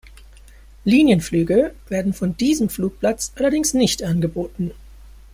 Linienflüge werden von diesem Flugplatz allerdings nicht angeboten.